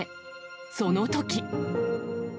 そのとき。